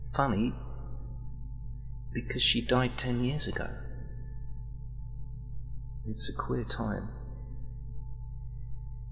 Funny! because she died ten years ago! It's a queer time.